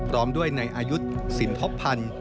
ร้องด้วยนายอายุศินทบพันธ์